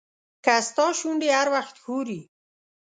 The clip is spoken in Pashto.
که ستا شونډې هر وخت ښوري.